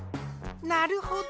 なるほど。